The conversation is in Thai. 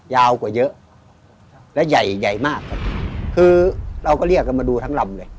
ยาวกว่าเยอะและใหญ่ใหญ่มากครับคือเราก็เรียกกันมาดูทั้งลำเลย